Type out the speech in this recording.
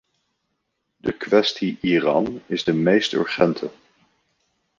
De kwestie-Iran is de meest urgente.